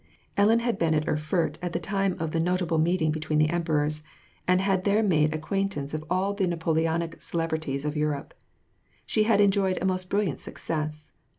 Ellen had been at Erfurt at the time of the notable meeting between the emperors, and had there made acquaint ance of all the Napoleonic celebrities of Europe. She had enjoyed a most brilliant success.